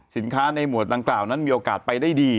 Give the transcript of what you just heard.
สินค้าในหมวดต่างกล่าวนั้นมีโอกาสไปได้ดี